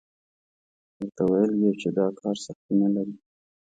ورته ویل یې چې دا کار سختي نه لري.